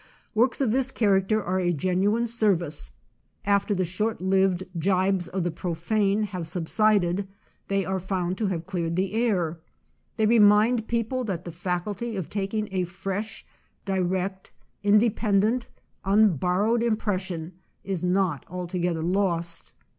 Works of this character are a genuine service; after the short lived gibes of the profane have subsided, they are found to have cleared the air. They remind people that the faculty of taking a fresh, direct, independent, unborrowed impression is not altogether lost.